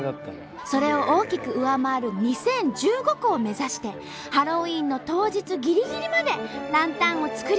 それを大きく上回る２，０１５個を目指してハロウィーンの当日ぎりぎりまでランタンを作り続けました。